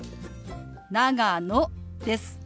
「長野」です。